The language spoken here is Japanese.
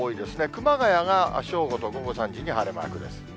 熊谷が正午と午後３時に晴れマークです。